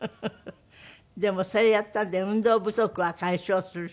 でもそれやったんで運動不足は解消するし。